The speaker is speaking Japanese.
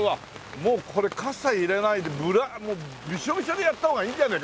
もうこれ傘いらないでビショビショでやった方がいいんじゃねえかな？